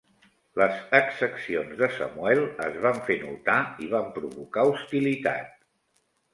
Les exaccions de Samuel es van fer notar i van provocar hostilitat.